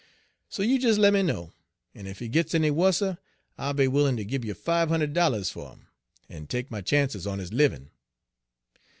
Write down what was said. So you des lemme know, en ef he gits any wusser I'll be willin' ter gib yer five hund'ed dollars fer 'im, en take my chances on his livin'.'